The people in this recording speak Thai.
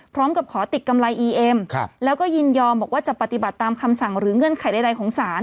พร้อมกับขอติดกำไรอีเอ็มแล้วก็ยินยอมบอกว่าจะปฏิบัติตามคำสั่งหรือเงื่อนไขใดของศาล